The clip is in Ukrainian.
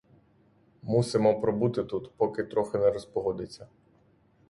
Мусимо пробути тут, поки трохи не розпогодиться.